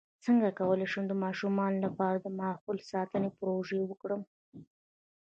څنګه کولی شم د ماشومانو لپاره د ماحول ساتنې پروژې وکړم